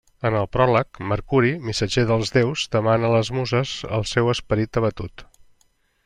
En el pròleg, Mercuri, missatger dels déus, demana a les muses pel seu esperit abatut.